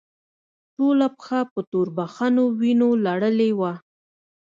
ټوله پښه په توربخونو وينو لړلې وه.